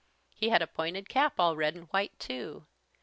He had a pointed cap all red and white too.